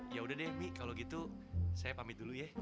yaudah deh kalau gitu saya pamit dulu ya